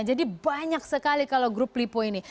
jadi banyak sekali kalau grup lipo ini